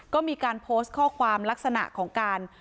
ก็มีการโพสต์ข้อความลักษณะของการ